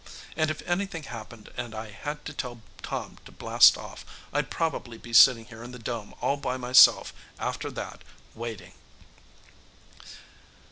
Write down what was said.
And if anything happened and I had to tell Tom to blast off, I'd probably be sitting here in the dome all by myself after that, waiting....